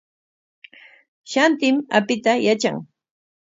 Shantim apita yatran.